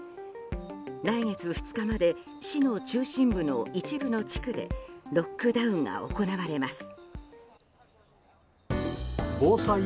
来月２日まで市の中心部の一部の地区でロックダウンが行われます。